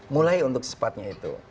mulai untuk cepatnya itu